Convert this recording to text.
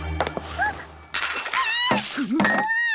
あっ！